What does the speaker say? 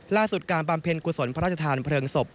ล่าสุดการบำเพ็ญกุศลพระราชทานเพลิงศพ